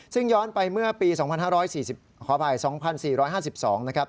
ซึ่งย้อนไปเมื่อปี๒๔๕๒นะครับ